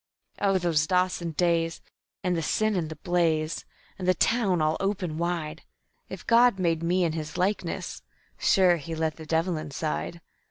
"Oh, those Dawson days, and the sin and the blaze, and the town all open wide! (If God made me in His likeness, sure He let the devil inside.)